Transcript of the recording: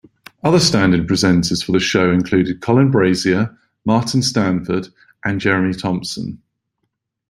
Other stand-in presenters for the show included Colin Brazier, Martin Stanford and Jeremy Thompson.